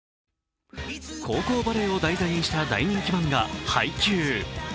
高校バレーを題材にした大人気漫画「ハイキュー！！」。